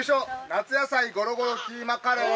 夏野菜ゴロゴロキーマカレー！